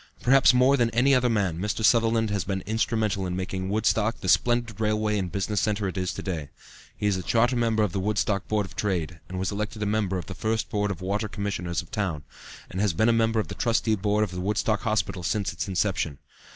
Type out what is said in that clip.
Perhaps more than any other man, Mr. Sutherland has been instrumental in making Woodstock the splendid railway and business centre it is to day. He is a charter member of the Woodstock Board of Trade, and was elected a member of the first Board of Water Commissioners of the town, and has been a member of the Trustee Board of the Woodstock Hospital since its inception.